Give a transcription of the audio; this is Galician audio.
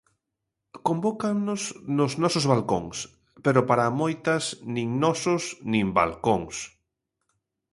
Convócannos nos nosos balcóns, pero para moitas nin nosos, nin balcóns.